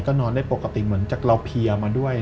นอนได้ปกติเหมือนจากเราเพียมาด้วย